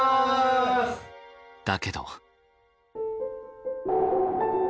だけど。